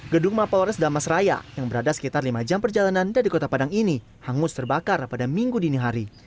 gedung mapolres damas raya yang berada sekitar lima jam perjalanan dari kota padang ini hangus terbakar pada minggu dini hari